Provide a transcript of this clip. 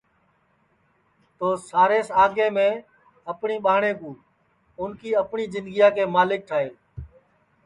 تو سارے سے آگے میں اپٹؔی ٻہاٹؔیں کُو اُن کی اپٹؔی جِندگیا کے ملک ٹھائے